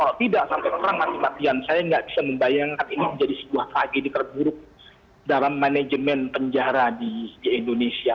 kalau tidak sampai perang mati matian saya nggak bisa membayangkan ini menjadi sebuah tragedi terburuk dalam manajemen penjara di indonesia